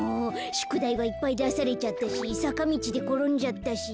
しゅくだいはいっぱいだされちゃったしさかみちでころんじゃったし。